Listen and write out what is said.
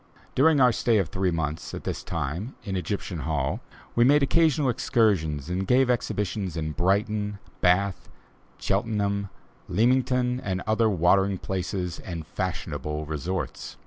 During our stay of three months, at this time, in Egyptian Hall, we made occasional excursions and gave exhibitions at Brighton, Bath, Cheltenham, Leamington and other watering places and fashionable resorts.